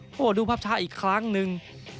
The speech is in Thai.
โอ้โหดูภาพช้าอีกครั้งหนึ่ง